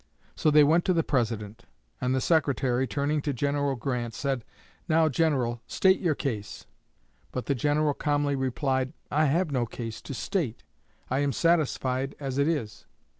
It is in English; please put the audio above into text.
So they went to the President; and the Secretary, turning to General Grant, said, "Now, General, state your case." But the General calmly replied, "I have no case to state. I am satisfied as it is."